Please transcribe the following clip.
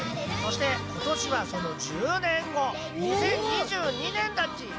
そしてことしはその１０年後２０２２年だっち。